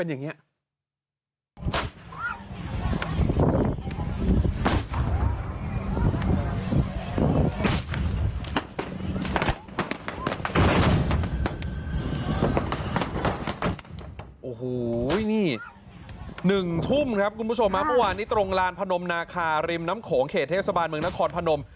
โอ้โหนี่๑ทุ่มครับคุณผู้ชมเมื่อวานนี้ตรงลานพนมนาคาริมน้ำโขงเขตเทศบาลเมืองนครพนม